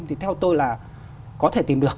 thì theo tôi là có thể tìm được